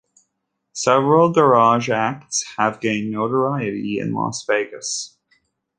Several garage acts have gained notoriety in Las Vegas.